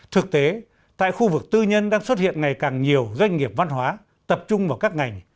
thực tế tại khu vực tư nhân đang xuất hiện ngày càng nhiều doanh nghiệp văn hóa tập trung vào các ngành